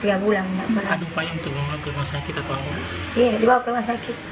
ada yang membawa ke rumah sakit